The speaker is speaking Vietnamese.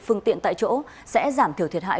phương tiện tại chỗ sẽ giảm thiểu thiệt hại